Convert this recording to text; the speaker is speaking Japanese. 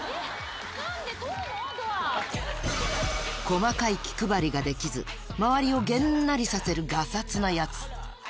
細かい気配りができず周りをげんなりさせるガサツなヤツ